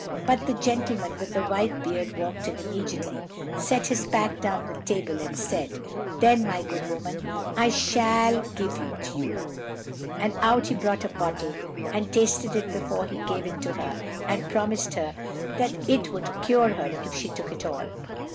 But the gentleman with the white beard walked in immediately, set his pack down on the table, and said, 'Then, my good woman, I shall give it you;' and out he brought a bottle, tasted it before he gave it to her, and promised her that it would cure her if she took it all."